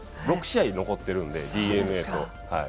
６試合残ってるんで、ＤｅＮＡと。